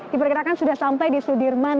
diperkirakan sudah sampai di sudirman